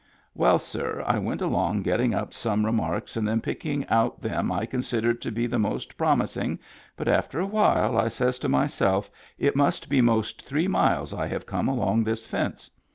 Well sir I went along getting up some re marks and then picking out them I considered to be the most promissing but after a while I says to myself it must be most three miles I have come along this fence.